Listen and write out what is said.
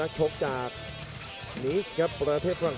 โยกขวางแก้งขวา